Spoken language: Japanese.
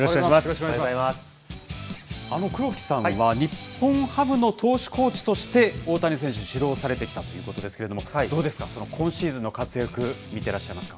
おは黒木さんは日本ハムの投手コーチとして、大谷選手、指導されてきたということですけれども、どうですか、今シーズンの活躍、見てらっしゃいますか？